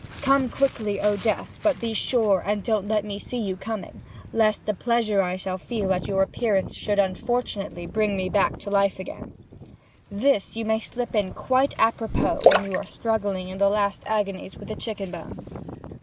'Come quickly, O death! but be sure and don't let me see you coming, lest the pleasure I shall feel at your appearance should unfortunately bring me back again to life.' This you may slip in quite a propos when you are struggling in the last agonies with the chicken bone.